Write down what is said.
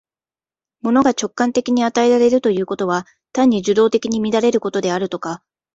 物が直観的に与えられるということは、単に受働的に見られることであるとか、